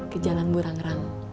ke jalan burang rang